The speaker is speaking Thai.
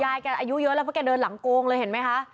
แกอายุเยอะแล้วเพราะแกเดินหลังโกงเลยเห็นไหมคะ